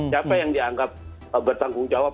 siapa yang dianggap bertanggung jawab